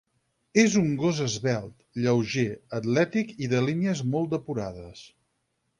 És un gos esvelt, lleuger, atlètic i de línies molt depurades.